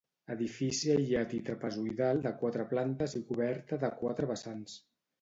Edifici aïllat i trapezoidal de quatre plantes i coberta de quatre vessants.